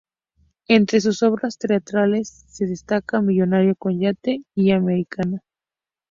Entre sus obras teatrales se destaca "Millonario con yate y americana".